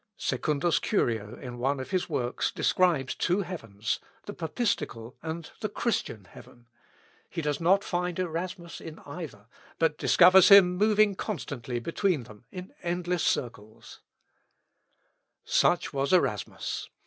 Secundus Curio, in one of his works, describes two heavens the Papistical and the Christian heaven. He does not find Erasmus in either, but discovers him moving constantly between them in endless circles. Erasm. Ep. 274. Such was Erasmus.